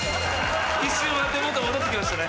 １周回って元戻って来ましたね。